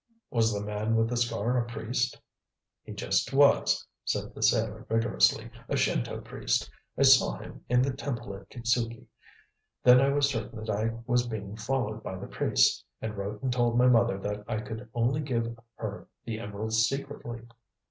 "Was the man with the scar a priest?" "He just was," said the sailor vigorously; "a Shinto priest. I saw him in the temple at Kitzuki. Then I was certain that I was being followed by the priests, and wrote and told my mother that I could only give her the emerald secretly.